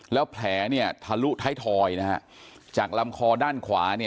แล้วแผลถลุท้ายถอยจากลำคอด้านขวา